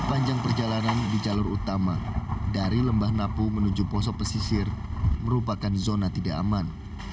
sepanjang perjalanan di jalur utama dari lembah napu menuju poso pesisir merupakan zona tidak aman